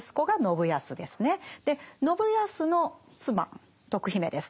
で信康の妻徳姫です。